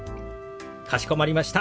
かしこまりました。